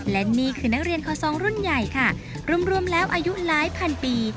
และนี่คือนักเรียนคอซองรุ่นใหญ่ค่ะรวมแล้วอายุหลายพันปี